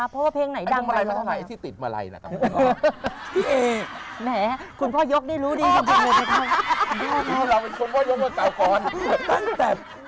โพงมะไลนี่แหละครับ